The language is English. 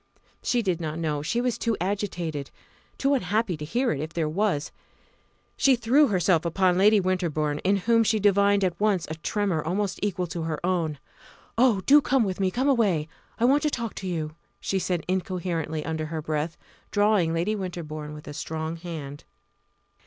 She did not know; she was too agitated, too unhappy to hear it if there was. She threw herself upon Lady Winterbourne, in whom she divined at once a tremor almost equal to her own. "Oh! do come with me come away! I want to talk to you!" she said incoherently under her breath, drawing Lady Winterbourne with a strong hand.